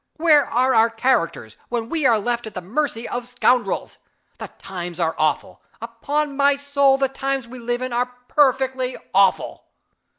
Where are our characters, when we are left at the mercy of scoundrels? The times are awful upon my soul, the times we live in are perfectly awful!"